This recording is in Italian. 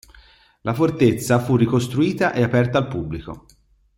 La fortezza fu ricostruita ed aperta al pubblico.